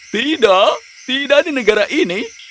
tidak tidak di negara ini